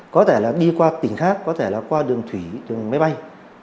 có thể là đi qua tỉnh khác có thể là qua đường thủy đường máy bay